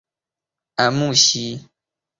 厕所位于月台国分寺方向。